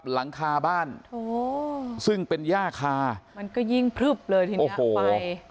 หลังคาบ้านซึ่งเป็นย่าคามันก็ยิ่งพลึบเลยทีนี้ไฟ